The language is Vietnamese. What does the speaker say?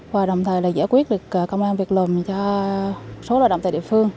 và đồng thời giải quyết công an việc lồng cho số lợi động tại địa phương